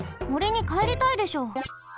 もりにかえりたいでしょ。